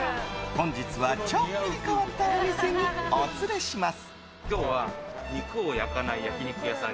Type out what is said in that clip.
本日はちょっぴり変わったお店にお連れします。